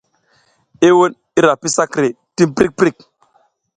I wuɗ i ra pi sakre tim prik prik.